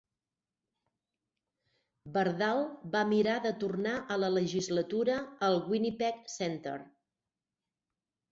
Bardal va mirar de tornar a la legislatura al Winnipeg Centre.